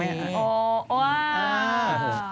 ว้าว